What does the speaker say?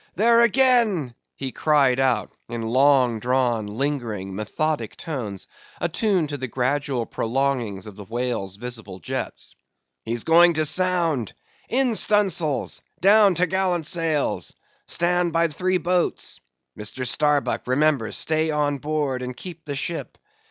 —there again!" he cried, in long drawn, lingering, methodic tones, attuned to the gradual prolongings of the whale's visible jets. "He's going to sound! In stunsails! Down top gallant sails! Stand by three boats. Mr. Starbuck, remember, stay on board, and keep the ship.